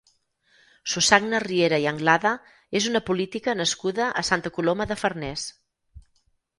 Susagna Riera i Anglada és una política nascuda a Santa Coloma de Farners.